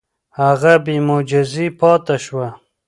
هغه بې معجزې پاتې شوه.